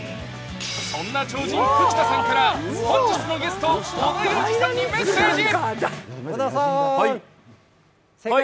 そんな超人・久木田さんから本日のゲスト、織田裕二さんにメッセージ。